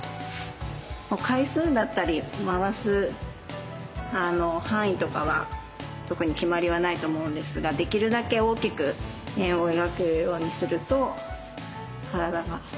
回数だったり回す範囲とかは特に決まりはないと思うんですができるだけ大きく円を描くようにすると体が伸びると思います。